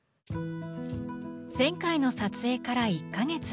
前回の撮影から１か月。